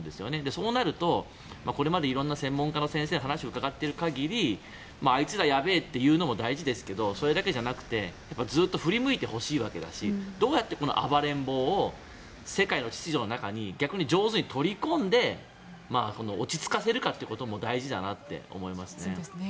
そうなるとこれまで色々な専門家の先生の話を伺っている限りあいつら、やべえって言うのも大事ですけどそれだけじゃなくてずっと振り向いてほしいわけだしどうやって、この暴れん坊を世界の秩序の中に逆に上手に取り込んで落ち着かせるかということも大事だなって思いますね。